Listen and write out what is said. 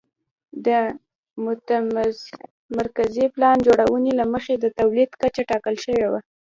د متمرکزې پلان جوړونې له مخې د تولید کچه ټاکل شوې وه